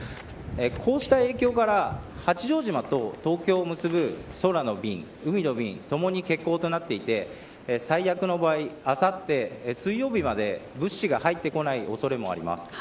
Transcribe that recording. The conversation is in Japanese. こうした影響から八丈島と東京を結ぶ空の便海の便、ともに欠航となっていて最悪の場合あさって水曜日まで物資が入ってこない恐れもあります。